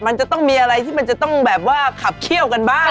มันจะต้องมีอะไรที่มันจะต้องแบบว่าขับเขี้ยวกันบ้าง